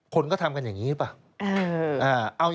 คนก็ทำกันอย่างนี้หรือเปล่า